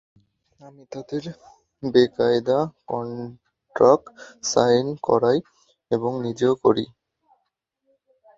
আমি তাদের বেকায়দায় contract sign করাই, এবং নিজেও করি।